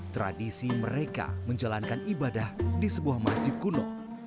tradisi mereka menjalankan ibadah di sebuah masjid kuno